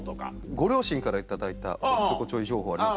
ご両親から頂いたおっちょこちょい情報あります。